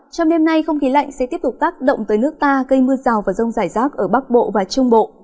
trong đêm nay không khí lạnh sẽ tiếp tục tác động tới nước ta gây mưa rào và rông rải rác ở bắc bộ và trung bộ